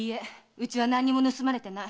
うちは何にも盗まれていない。